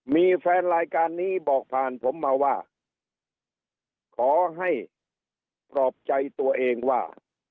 มีแฟนรายการนี้บอกผ่านผมมาว่าขอให้ปลอบใจตัวเองว่า